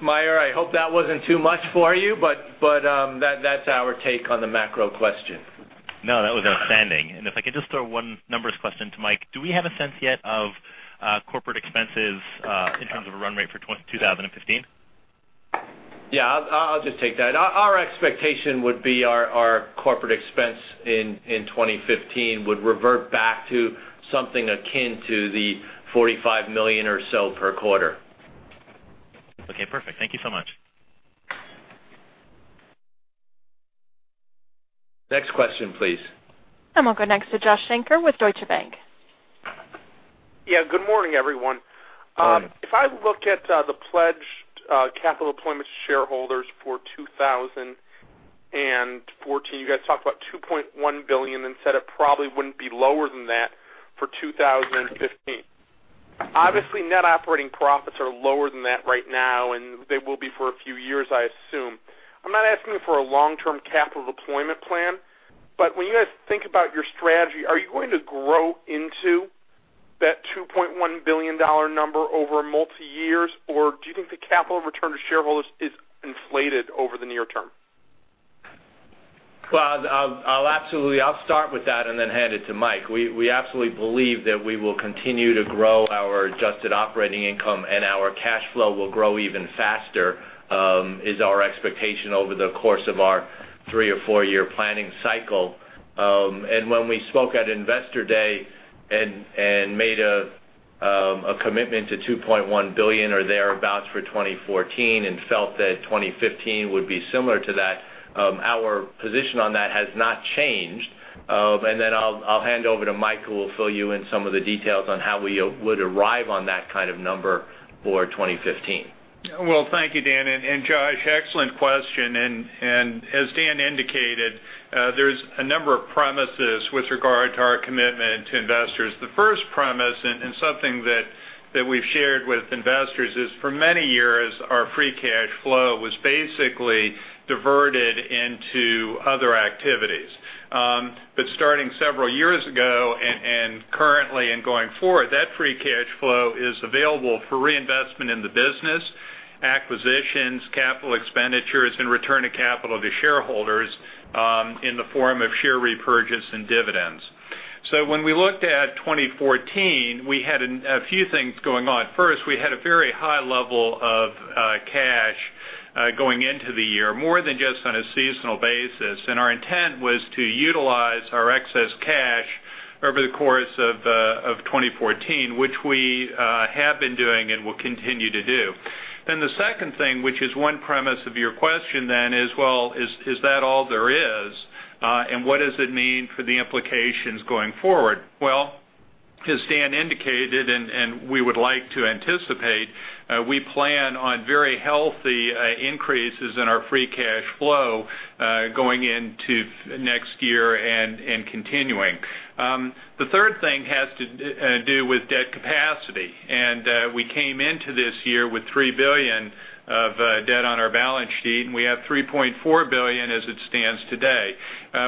Meyer, I hope that wasn't too much for you, but that's our take on the macro question. No, that was outstanding. If I could just throw one numbers question to Mike. Do we have a sense yet of corporate expenses in terms of a run rate for 2015? Yeah, I'll just take that. Our expectation would be our corporate expense in 2015 would revert back to something akin to the $45 million or so per quarter. Okay, perfect. Thank you so much. Next question, please. We'll go next to Joshua Shanker with Deutsche Bank. Good morning, everyone. Morning. If I look at the pledged capital deployment shareholders for 2014, you guys talked about $2.1 billion and said it probably wouldn't be lower than that for 2015. Obviously, net operating profits are lower than that right now, and they will be for a few years, I assume. I'm not asking for a long-term capital deployment plan, but when you guys think about your strategy, are you going to grow into that $2.1 billion number over multi-years, or do you think the capital return to shareholders is inflated over the near term? I'll start with that and then hand it to Mike. We absolutely believe that we will continue to grow our adjusted operating income, and our cash flow will grow even faster, is our expectation over the course of our three or four-year planning cycle. When we spoke at Investor Day and made a commitment to $2.1 billion or thereabouts for 2014 and felt that 2015 would be similar to that. Our position on that has not changed. I'll hand over to Mike, who will fill you in some of the details on how we would arrive on that kind of number for 2015. Well, thank you, Dan and Josh. Excellent question. As Dan indicated, there's a number of premises with regard to our commitment to investors. The first premise, and something that we've shared with investors, is for many years, our free cash flow was basically diverted into other activities. Starting several years ago and currently and going forward, that free cash flow is available for reinvestment in the business, acquisitions, capital expenditures, and return of capital to shareholders in the form of share repurchase and dividends. When we looked at 2014, we had a few things going on. First, we had a very high level of cash going into the year, more than just on a seasonal basis. Our intent was to utilize our excess cash over the course of 2014, which we have been doing and will continue to do. The second thing, which is one premise of your question then, is, well, is that all there is? What does it mean for the implications going forward? As Dan indicated, and we would like to anticipate, we plan on very healthy increases in our free cash flow going into next year and continuing. The third thing has to do with debt capacity. We came into this year with $3 billion of debt on our balance sheet, and we have $3.4 billion as it stands today.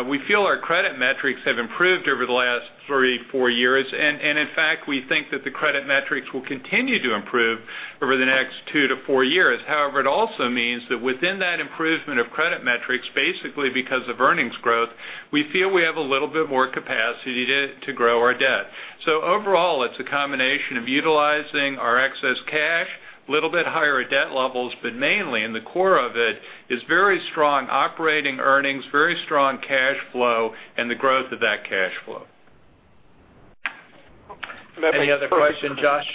We feel our credit metrics have improved over the last three, four years. In fact, we think that the credit metrics will continue to improve over the next two to four years. However, it also means that within that improvement of credit metrics, basically because of earnings growth, we feel we have a little bit more capacity to grow our debt. Overall, it's a combination of utilizing our excess cash, little bit higher debt levels, mainly in the core of it is very strong operating earnings, very strong cash flow and the growth of that cash flow. Any other question, Josh?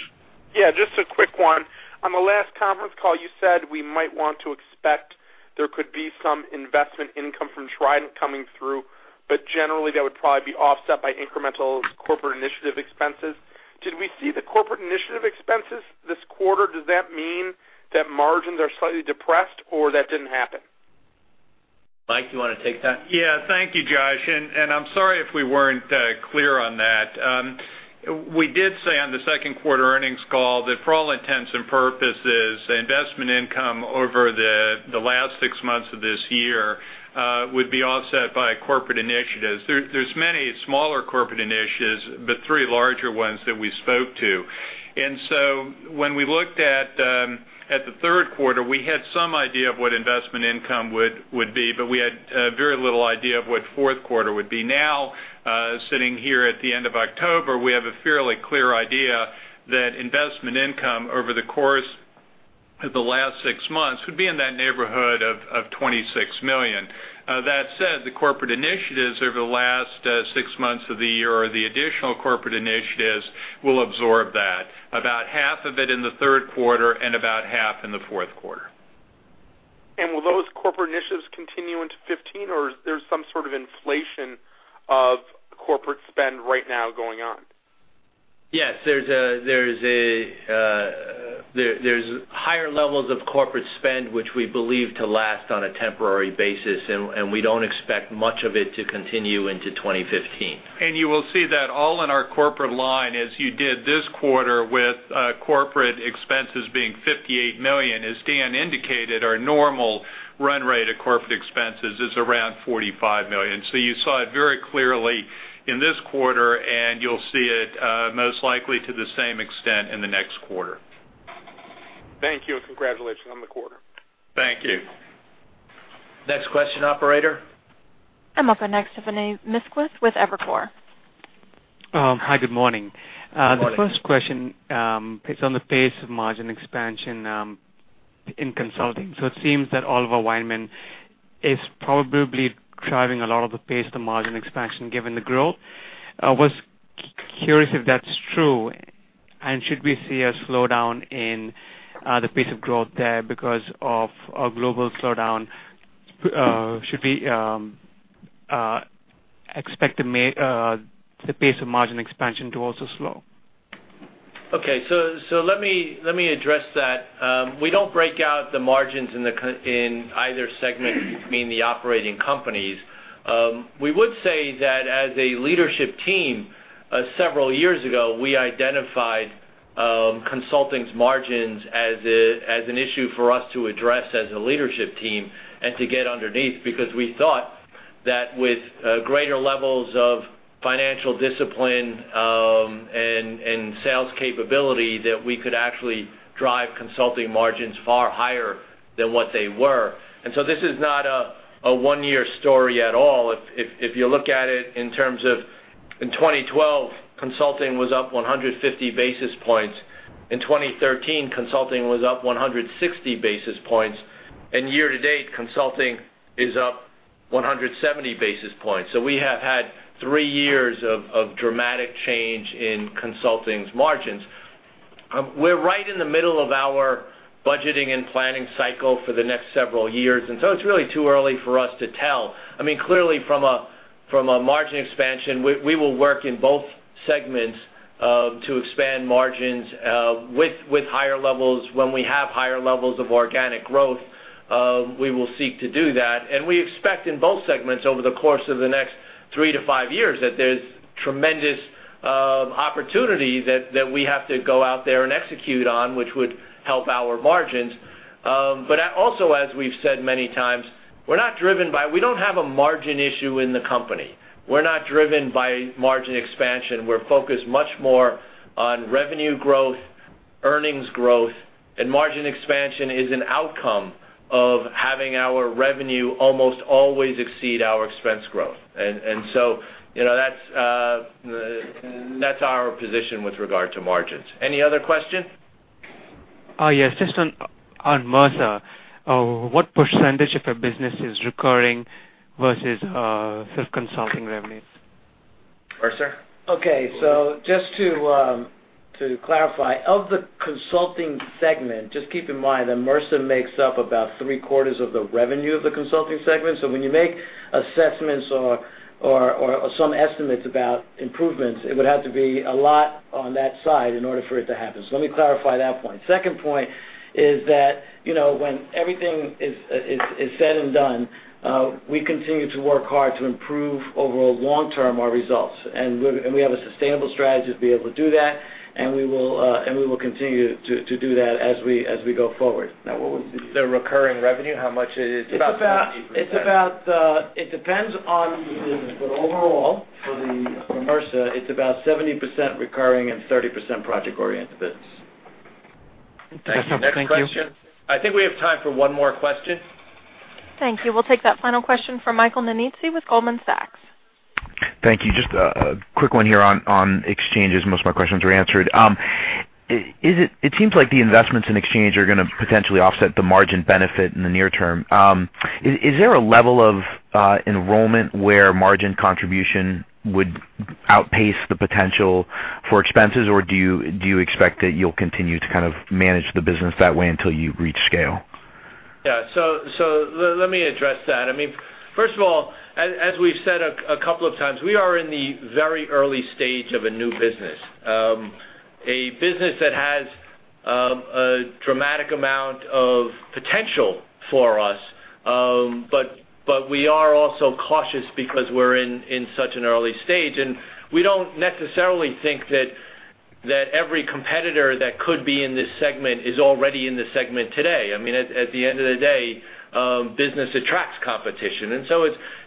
Yeah, just a quick one. On the last conference call, you said we might want to expect there could be some investment income from Trident coming through, but generally that would probably be offset by incremental corporate initiative expenses. Did we see the corporate initiative expenses this quarter? Does that mean that margins are slightly depressed or that didn't happen? Mike, you want to take that? Yeah. Thank you, Josh, and I'm sorry if we weren't clear on that. We did say on the second quarter earnings call that for all intents and purposes, investment income over the last six months of this year would be offset by corporate initiatives. There's many smaller corporate initiatives, but three larger ones that we spoke to. When we looked at the third quarter, we had some idea of what investment income would be, but we had very little idea of what fourth quarter would be. Now, sitting here at the end of October, we have a fairly clear idea that investment income over the course of the last six months would be in that neighborhood of $26 million. That said, the corporate initiatives over the last six months of the year, or the additional corporate initiatives, will absorb that. About half of it in the third quarter and about half in the fourth quarter. Will those corporate initiatives continue into 2015, or there's some sort of inflation of corporate spend right now going on? Yes. There's higher levels of corporate spend, which we believe to last on a temporary basis, and we don't expect much of it to continue into 2015. You will see that all in our corporate line as you did this quarter with corporate expenses being $58 million. As Dan indicated, our normal run rate of corporate expenses is around $45 million. You saw it very clearly in this quarter, and you'll see it most likely to the same extent in the next quarter. Thank you, congratulations on the quarter. Thank you. Next question, operator. I'm open next to Vinay Misquith with Evercore. Hi, good morning. Good morning. The first question, it's on the pace of margin expansion in consulting. It seems that Oliver Wyman is probably driving a lot of the pace of margin expansion given the growth. I was curious if that's true, and should we see a slowdown in the pace of growth there because of a global slowdown? Should we expect the pace of margin expansion to also slow? Okay. Let me address that. We don't break out the margins in either segment, you mean the operating companies. We would say that as a leadership team, several years ago, we identified consulting's margins as an issue for us to address as a leadership team and to get underneath, because we thought that with greater levels of financial discipline and sales capability, that we could actually drive consulting margins far higher than what they were. This is not a one-year story at all. If you look at it in terms of in 2012, consulting was up 150 basis points. In 2013, consulting was up 160 basis points. Year to date, consulting is up 170 basis points. We have had three years of dramatic change in consulting's margins. We're right in the middle of our budgeting and planning cycle for the next several years. It's really too early for us to tell. Clearly, from a margin expansion, we will work in both segments to expand margins with higher levels. When we have higher levels of organic growth, we will seek to do that. We expect in both segments over the course of the next 3-5 years, that there's tremendous opportunity that we have to go out there and execute on, which would help our margins. Also, as we've said many times, we don't have a margin issue in the company. We're not driven by margin expansion. We're focused much more on revenue growth, earnings growth, and margin expansion is an outcome of having our revenue almost always exceed our expense growth. That's our position with regard to margins. Any other question? Yes. Just on Mercer, what percentage of your business is recurring versus this consulting revenues Mercer? Okay. Just to clarify, of the consulting segment, just keep in mind that Mercer makes up about three-quarters of the revenue of the consulting segment. When you make assessments or some estimates about improvements, it would have to be a lot on that side in order for it to happen. Let me clarify that point. Second point is that, when everything is said and done, we continue to work hard to improve over a long term our results. We have a sustainable strategy to be able to do that, we will continue to do that as we go forward. What was the- The recurring revenue, how much it is? It depends on the business. Overall, for Mercer, it's about 70% recurring and 30% project-oriented business. That's it. Thank you. Next question. I think we have time for one more question. Thank you. We'll take that final question from Michael Nannizzi with Goldman Sachs. Thank you. Just a quick one here on exchanges. Most of my questions were answered. It seems like the investments in exchange are going to potentially offset the margin benefit in the near term. Is there a level of enrollment where margin contribution would outpace the potential for expenses? Do you expect that you'll continue to kind of manage the business that way until you reach scale? Yeah. Let me address that. First of all, as we've said a couple of times, we are in the very early stage of a new business. A business that has a dramatic amount of potential for us, we are also cautious because we're in such an early stage, and we don't necessarily think that every competitor that could be in this segment is already in this segment today. At the end of the day, business attracts competition.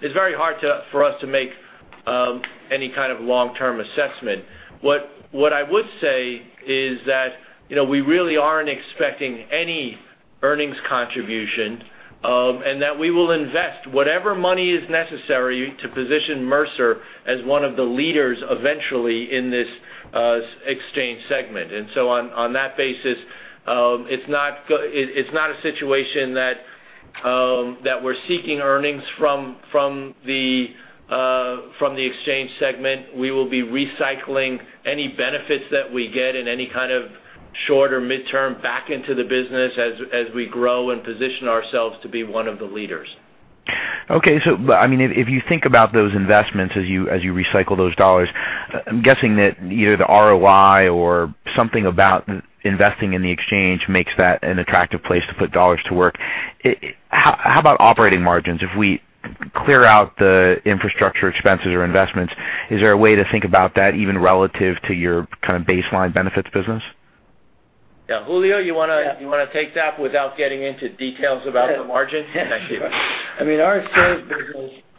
It's very hard for us to make any kind of long-term assessment. What I would say is that, we really aren't expecting any earnings contribution, and that we will invest whatever money is necessary to position Mercer as one of the leaders eventually in this exchange segment. On that basis, it's not a situation that we're seeking earnings from the exchange segment. We will be recycling any benefits that we get in any kind of short or mid-term back into the business as we grow and position ourselves to be one of the leaders. Okay. If you think about those investments as you recycle those dollars, I'm guessing that either the ROI or something about investing in the exchange makes that an attractive place to put dollars to work. How about operating margins? If we clear out the infrastructure expenses or investments, is there a way to think about that even relative to your kind of baseline benefits business? Yeah. Julio, you want to take that without getting into details about the margin? Yeah.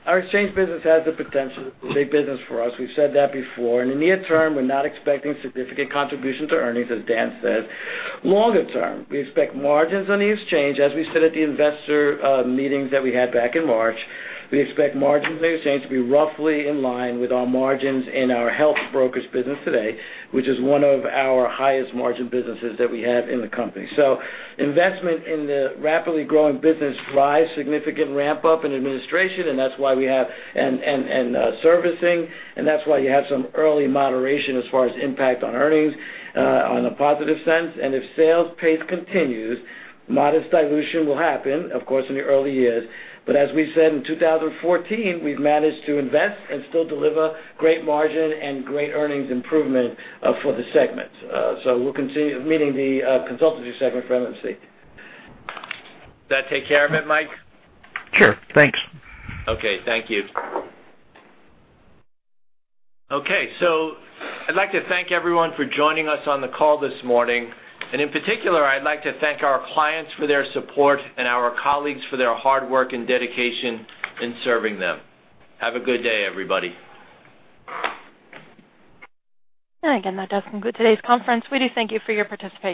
Our exchange business has the potential to be a business for us. We've said that before. In the near term, we're not expecting significant contribution to earnings, as Dan said. Longer term, we expect margins on the exchange, as we said at the investor meetings that we had back in March. We expect margins on the exchange to be roughly in line with our margins in our health brokers business today, which is one of our highest margin businesses that we have in the company. Investment in the rapidly growing business drives significant ramp-up in administration and servicing, and that's why you have some early moderation as far as impact on earnings, on a positive sense. If sales pace continues, modest dilution will happen, of course, in the early years. As we said in 2014, we've managed to invest and still deliver great margin and great earnings improvement for the segment. We'll continue meeting the Consulting segment for MMC. That take care of it, Mike? Sure. Thanks. Okay. Thank you. Okay, I'd like to thank everyone for joining us on the call this morning. In particular, I'd like to thank our clients for their support and our colleagues for their hard work and dedication in serving them. Have a good day, everybody. Again, that does conclude today's conference. We do thank you for your participation.